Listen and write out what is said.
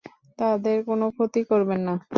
তাদের কোনো ক্ষতি করবেন না।